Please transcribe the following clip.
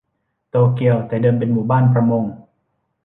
โตเกียวแต่เดิมเป็นหมู่บ้านประมง